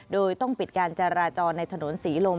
โดยต้องปิดการจราจรในถนนศรีลม